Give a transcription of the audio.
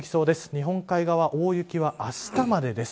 日本海側大雪はあしたまでです。